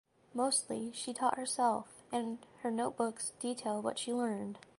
Mostly she taught herself and her notebooks detail what she learned.